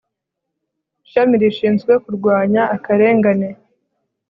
ishami rishinzwe kurwanya akarengane